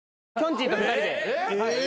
ちぃと２人で。